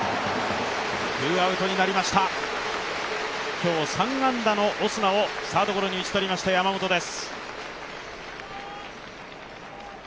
今日、３安打のオスナをサードゴロに打ち取りました山本です。